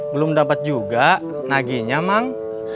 belum dapat juga naginya mang